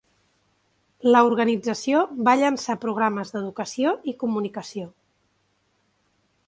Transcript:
La organització va llançar programes d'educació i comunicació.